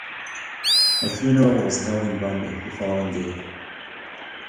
Her funeral was held in Bombay the following day.